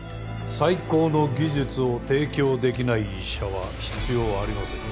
最高の技術を提供出来ない医者は必要ありません。